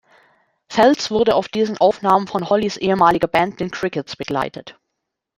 Felts wurde auf diesen Aufnahmen von Hollys ehemaliger Band, den Crickets begleitet.